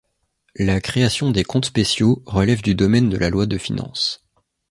La création des comptes spéciaux relève du domaine de la loi de finances.